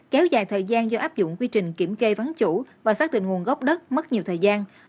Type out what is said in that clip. kéo dài thời gian do áp dụng quy trình kiểm kê vắn chủ và xác định nguồn gốc đất mất nhiều thời gian